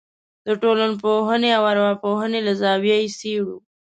د ټولنپوهنې او ارواپوهنې له زاویې یې څېړو.